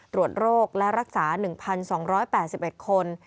ตรวจโรคและรักษา๑๒๘๑คน